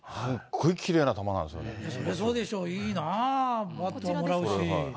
そりゃそうでしょう、いいな、バットはもらうし。